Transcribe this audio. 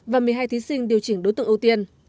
và một mươi hai thí sinh điều chỉnh đối tượng ưu tiên